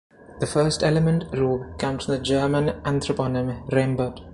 The first element "Robe-" comes from the German anthroponym "Raimbert".